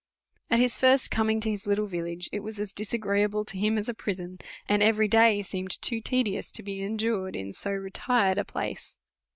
At his first coming to this little village, it was as disagreeable to him as a prison, and every day seemed too tedious to be endured in so retired a place.